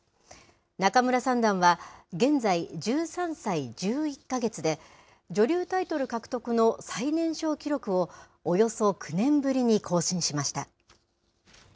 仲邑三段は、現在、１３歳１１か月で、女流タイトル獲得の最年少記録をおよそ９年ぶりに更新しました。